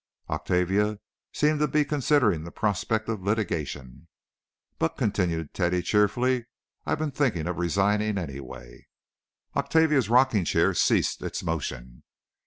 Octavia seemed to be considering the prospects of litigation. "But," continued Teddy cheerfully, "I've been thinking of resigning anyway." Octavia's rocking chair ceased its motion.